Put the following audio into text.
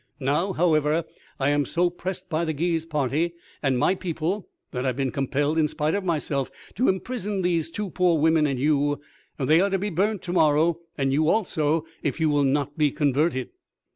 Now, however, I am so pressed by the Guise party and my people, that I have been compelled, in spite of myself, to imprison these two poor women and you; they are to be burnt to morrow, and you also, if you will not be converted."